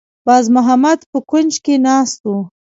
باز محمد په کونج کې ناسته وه.